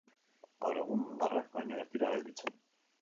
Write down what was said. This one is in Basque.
Gaur egun hondarrak baino ez dira gelditzen.